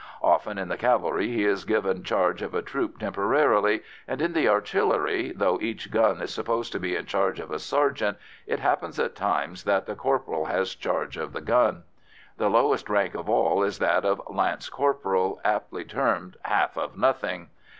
Often in the cavalry he is given charge of a troop temporarily, and in the artillery, though each gun is supposed to be in charge of a sergeant, it happens at times that the corporal has charge of the gun. The lowest rank of all is that of lance corporal, aptly termed "half of nothing."